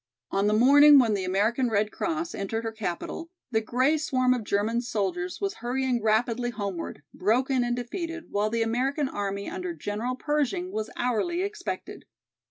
On the morning when the American Red Cross entered her capital, the grey swarm of German soldiers was hurrying rapidly homeward, broken and defeated, while the American army under General Pershing was hourly expected.